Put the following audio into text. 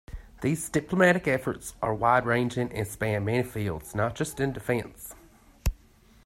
These diplomatic efforts are wide-ranging and span many fields, not just in defence.